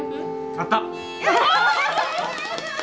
やった！